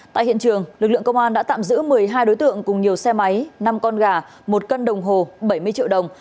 tại hiện trường lực lượng công an đã tạm giữ một mươi hai đối tượng cùng nhiều xe máy năm con gà một cân đồng hồ bảy mươi triệu đồng